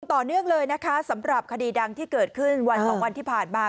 ต่อเนื่องเลยนะคะสำหรับคดีดังที่เกิดขึ้นวันสองวันที่ผ่านมา